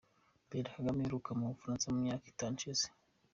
Perezida Kagame aheruka mu Bufaransa mu myaka itatu ishize.